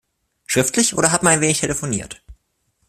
Schriftlich, oder hat man ein wenig telefoniert?